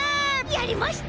やりました。